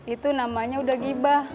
itu namanya udah gibah